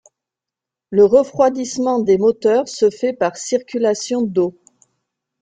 Le refroidissement des moteurs se fait par circulation d'eau.